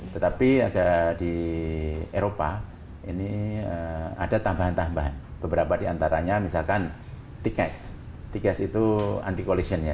tetapi di eropa ini ada tambahan tambahan beberapa diantaranya misalkan t case t case itu anti collision ya